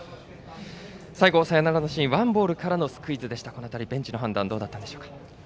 最後、サヨナラのシーンワンボールからのスクイズはこの辺り、ベンチの判断はどうだったんでしょうか？